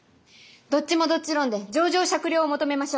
どっちもどっち論で情状酌量を求めましょう！